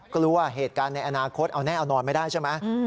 กลัวเหตุการณ์ในอนาคตเอาแน่เอานอนไม่ได้ใช่ไหม